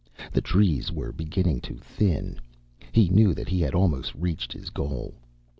The trees were beginning to thin. He knew that he had almost reached his goal.